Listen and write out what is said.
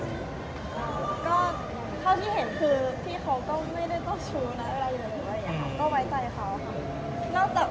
ข้าวที่เห็นคือที่เขาก็ไม่ได้เจ้าชู้นะอะไรอย่างนี้นะเลยค่ะ